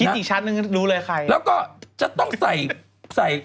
คิดอีกชั้นนึงรู้เลยใคร